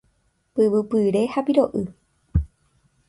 Pyvupyre ha piro'y.